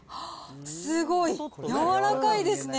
すごい、柔らかいですね。